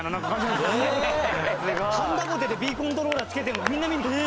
はんだごてでＢコントローラー付けてるのみんな見に来て。